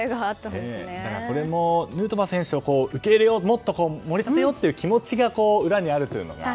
これもヌートバー選手をもっと盛り上げようという気持ちが裏にあるというのもね。